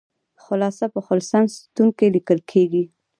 خلاصه په خلص ستون کې لیکل کیږي.